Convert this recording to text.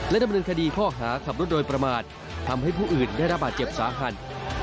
ดำเนินคดีข้อหาขับรถโดยประมาททำให้ผู้อื่นได้รับบาดเจ็บสาหัส